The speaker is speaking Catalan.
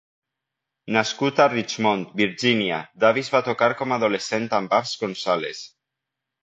Nascut a Richmond, Virgínia, Davis va tocar com a adolescent amb Babs Gonzales.